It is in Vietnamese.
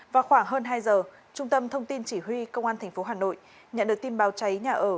vào khoảng hơn hai giờ trung tâm thông tin chỉ huy công an tp hà nội nhận được tin báo cháy nhà ở